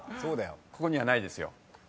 ここにはないですよ。